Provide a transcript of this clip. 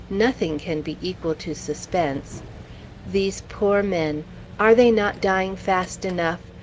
Nothing can be equal to suspense. These poor men! Are they not dying fast enough?